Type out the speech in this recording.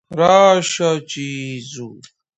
موږ بايد له تېروتنو درس واخلو.